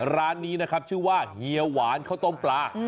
ร้านนี้นะครับชื่อว่าเฮียหวานข้าวต้มปลา